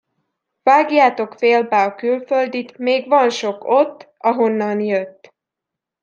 Vágjátok félbe a külföldit, még van sok ott, ahonnan jött.